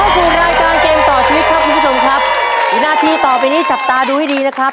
สวัสดีครับพี่ผู้ชมครับวินาทีต่อไปนี้จับตาดูให้ดีนะครับ